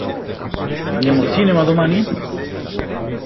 Andiamo al cinema domani?